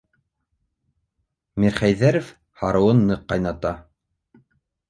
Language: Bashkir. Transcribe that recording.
Мирхәйҙәров һарыуын ныҡ ҡайната.